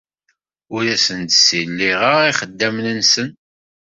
Ur asen-d-ssiliɣeɣ ixeddamen-nsen.